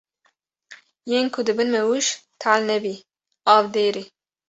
Yên ku dibin mewûj talnebî, avdêrî